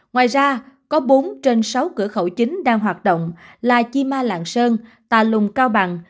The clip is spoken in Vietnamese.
ngoài ra có bốn trên sáu cửa khẩu chính đang hoạt động là chi ma lạng sơn tà lùng cao bằng